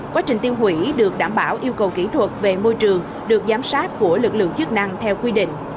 quá trình tiêu hủy được đảm bảo yêu cầu kỹ thuật về môi trường được giám sát của lực lượng chức năng theo quy định